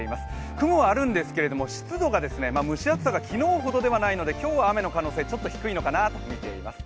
雲はあるんですけど、湿度が蒸し暑さが昨日ほどではないので今日は雨の可能性、ちょっと低いのかなとみています。